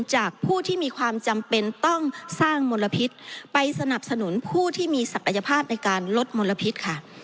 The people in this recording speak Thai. จากผู้ที่มีความจำเป็นต้องสร้างมลพิษไปสนับสนุนผู้ที่มีศักยภาพในการลดมลพิษค่ะ